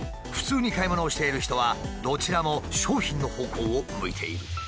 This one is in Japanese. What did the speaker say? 普通に買い物をしている人はどちらも商品の方向を向いている。